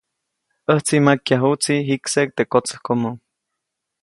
‒ʼÄjtsi majkyajuʼtsi jikseʼk teʼ kotsäjkomo-.